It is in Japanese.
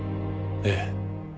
ええ。